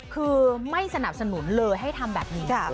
คือไม่สนับสนุนเลยให้ทำแบบนี้